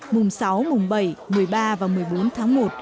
mùng sáu mùng bảy một mươi ba và một mươi bốn tháng một